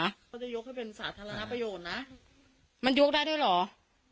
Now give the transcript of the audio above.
เขาจะยกให้เป็นสาธารณประโยชน์นะมันยกได้ด้วยเหรอ